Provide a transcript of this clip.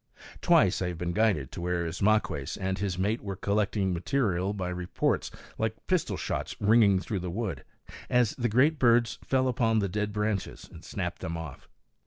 Twice I have been guided to where Ismaques and his mate were collecting material by reports like pistol shots ringing through the wood, as the great birds fell upon the dead branches and snapped them off.